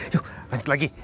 yuk lanjut lagi